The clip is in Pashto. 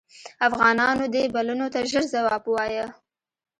افغانانو دې بلنو ته ژر جواب ووایه.